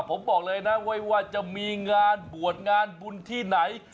ผมบอกเลยนะไว้ว่าจะมีงานบวชงานบุญที่ไหน